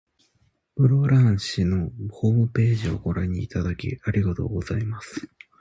室蘭市のホームページをご覧いただき、ありがとうございます。